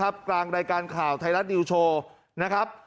กลางรายการข่าวไทยรัฐนิวโชว์นะครับ